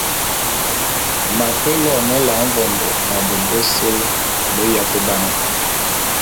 M’ate loene Ela mvondô a bôte bese be yate ba na.